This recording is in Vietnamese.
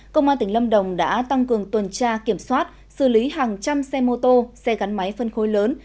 công an tỉnh lâm đồng đã tăng cường tuần tra kiểm soát xử lý hàng trăm xe mô tô xe gắn máy phân khối lớn